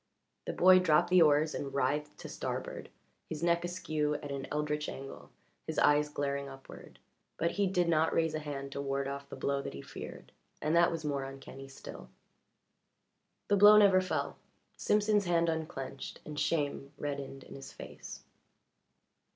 The boy dropped the oars and writhed to starboard, his neck askew at an eldritch angle, his eyes glaring upward. But he did not raise a hand to ward off the blow that he feared, and that was more uncanny still. The blow never fell. Simpson's hand unclinched and shame reddened in his face.